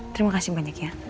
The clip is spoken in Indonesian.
terima kasih banyak ya